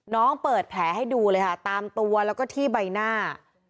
เปิดแผลให้ดูเลยค่ะตามตัวแล้วก็ที่ใบหน้า